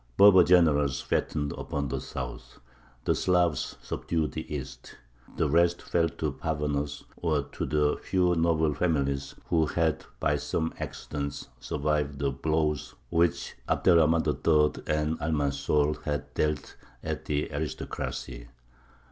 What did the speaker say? Berber generals fattened upon the South; the Slavs subdued the East; "the rest fell to parvenus or to the few noble families who had by some accident survived the blows which Abd er Rahmān III. and Almanzor had dealt at the aristocracy.